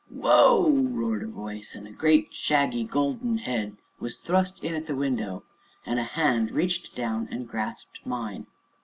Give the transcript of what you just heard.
"Whoa!" roared a voice, and a great, shaggy golden head was thrust in at the window, and a hand reached down and grasped mine.